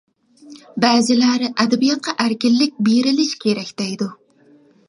بەزىلەر ئەدەبىياتقا ئەركىنلىك بېرىلىشى كېرەك، دەيدۇ.